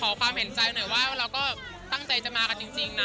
ความเห็นใจหน่อยว่าเราก็ตั้งใจจะมากันจริงนะ